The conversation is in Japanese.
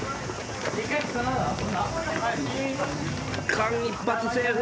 間一髪セーフ！